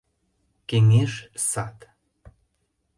...Кеҥеж сад!